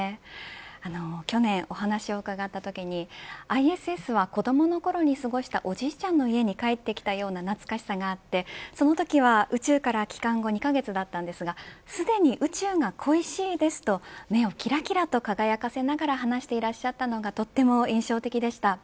去年お話を伺ったときにＩＳＳは子どものころに過ごしたおじいちゃんの家に帰ってきたような懐かしさがあってそのときは宇宙から帰還後２カ月でしたがすでに宇宙が恋しいですときらきらと目を輝かせながら話していらっしゃったのが印象的でした。